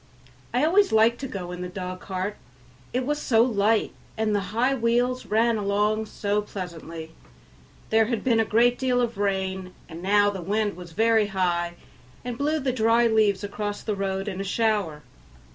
I always liked to go in the dog cart, it was so light and the high wheels ran along so pleasantly. There had been a great deal of rain, and now the wind was very high and blew the dry leaves across the road in a shower.